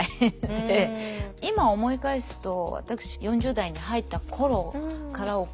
今思い返すと私４０代に入った頃からおかしいなと。